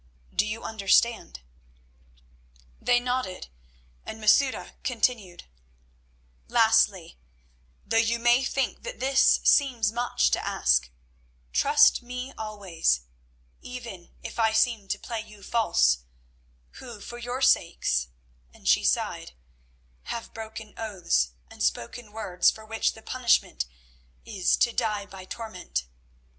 Do you understand?" They nodded, and Masouda continued: "Lastly—though you may think that this seems much to ask—trust me always, even if I seem to play you false, who for your sakes," and she sighed, "have broken oaths and spoken words for which the punishment is to die by torment.